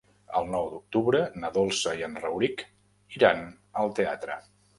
El nou d'octubre na Dolça i en Rauric iran al teatre.